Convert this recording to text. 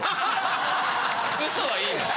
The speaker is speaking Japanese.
・ウソはいいの？